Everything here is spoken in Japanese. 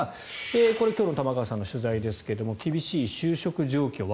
これ今日の玉川さんの取材ですが若者の厳しい就職状況